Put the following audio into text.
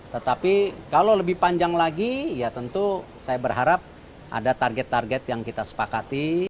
tetapi kalau lebih panjang lagi ya tentu saya berharap ada target target yang kita sepakati